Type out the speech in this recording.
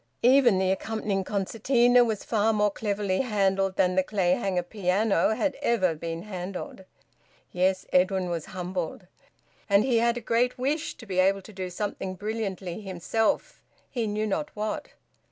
Even the accompanying concertina was far more cleverly handled than the Clayhanger piano had ever been handled. Yes, Edwin was humbled. And he had a great wish to be able to do something brilliantly himself he knew not what.